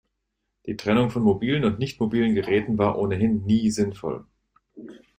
Die Trennung von mobilen und nicht mobilen Geräten war ohnehin nie sinnvoll.